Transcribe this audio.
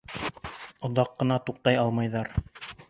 Оҙаҡ ҡына туҡтай алмайҙар.